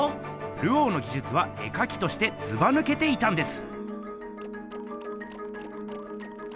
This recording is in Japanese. ルオーのぎじゅつは絵かきとしてずばぬけていたんです。